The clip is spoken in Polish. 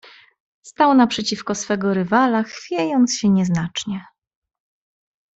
"Stał naprzeciwko swego rywala, chwiejąc się nieznacznie."